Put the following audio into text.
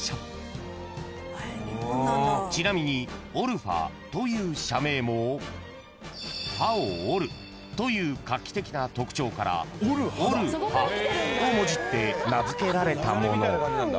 ［ちなみにオルファという社名も刃を折るという画期的な特徴からおるはをもじって名付けられたもの］